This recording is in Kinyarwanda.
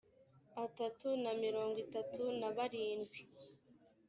atatu na mirongo itatu na barindwi